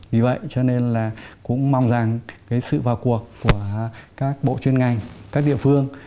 vì vậy cho nên là cũng mong rằng cái sự vào cuộc của các bộ chuyên ngành các địa phương